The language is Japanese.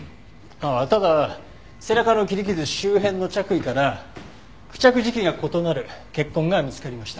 ああただ背中の切り傷周辺の着衣から付着時期が異なる血痕が見つかりました。